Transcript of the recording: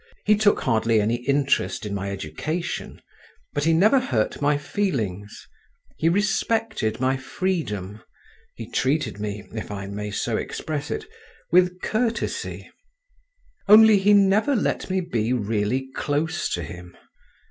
He took hardly any interest in my education, but he never hurt my feelings; he respected my freedom, he treated me—if I may so express it—with courtesy,… only he never let me be really close to him.